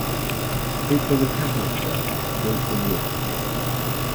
It was a Catholic church, built from wood.